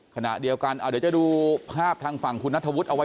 พี่หนุ่ม